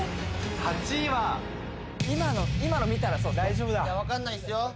８位は今の見たら大丈夫だいや分かんないっすよ